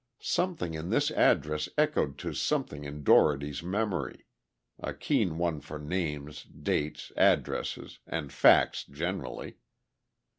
Something in this address echoed to something in Dougherty's memory—a keen one for names, dates, addresses and facts generally.